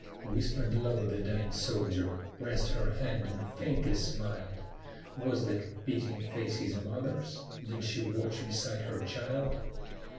Whispered low the dying soldier, pressed her hand and faintly smiled; Was that pitying face his mother's? did she watch beside her child?